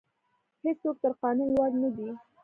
هیڅوک تر قانون لوړ نه دی.